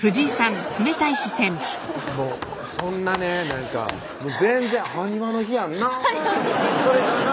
もうそんなねなんか全然ハニワの日やんなそれがな